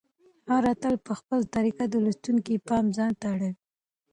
هر اتل په خپله طریقه د لوستونکي پام ځانته اړوي.